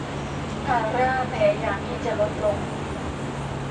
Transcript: ธาร่าพยายามที่จะลดลง